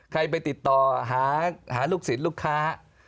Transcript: ใครไปติดต่อหาลูกศิษย์ลูกค้า